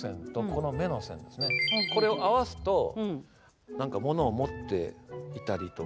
これを合わすと何か物を持っていたりとか。